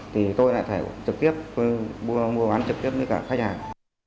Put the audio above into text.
thì tôi lại phải trực tiếp mua bán trực tiếp với cả khách hàng